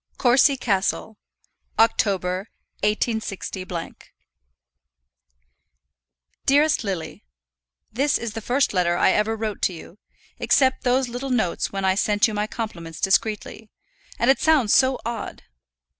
Courcy Castle, October, 186 . DEAREST LILY, This is the first letter I ever wrote to you, except those little notes when I sent you my compliments discreetly, and it sounds so odd.